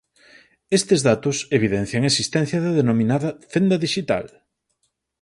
Estes datos evidencian a existencia da denominada fenda dixital.